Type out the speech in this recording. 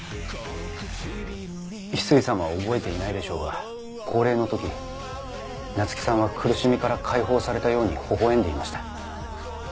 翡翠さんは覚えていないでしょうが降霊の時菜月さんは苦しみから解放されたようにほほ笑んでいました。